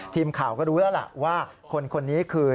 ทีมข่าวก็รู้แล้วล่ะว่าคนนี้คือ